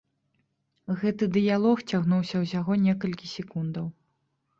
Гэты дыялог цягнуўся ўсяго некалькі секундаў.